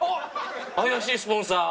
怪しいスポンサー。